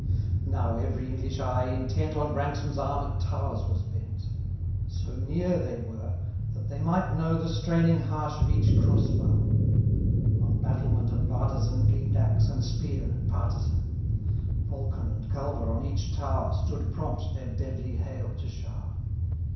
Now every English eye, intent On Branksome's armed towers was bent ; So near they were, that they might know The straining harsh of each cross bow *, On battlement and bartizan Gleam'd axe, and spear, and partisan ; Falcon and culver,* on each tower, Stood prompt their deadly hail to shower; > Powder flasks. * Ancieut pieces of artaUcnr.